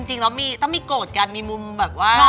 จริงแล้วต้องมีโกรธกันมีมุมแบบว่า